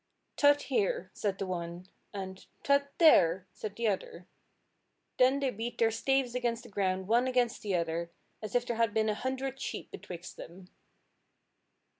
"Tut here," said the one, and "Tut there," said the other. Then they beat their staves against the ground one against the other, as if there had been a hundred sheep betwixt them.